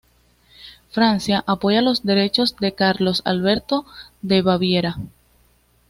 Francia apoya los derechos de Carlos Alberto de Baviera.